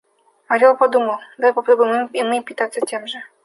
Орел подумал: давай попробуем и мы питаться тем же.